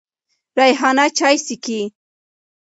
ریحانه چای څکې.